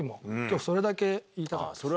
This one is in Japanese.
それだけ言いたかった。